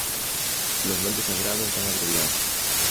Los nombres sagrados están abreviados.